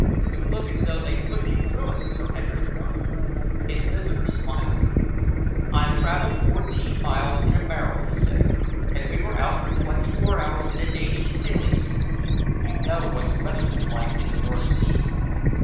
"You look as though they'd put you through it," Sir Henry remarked. His visitor smiled. "I've travelled fourteen miles in a barrel," he said, "and we were out for twenty four hours in a Danish sailing skiff. You know what the weather's been like in the North Sea.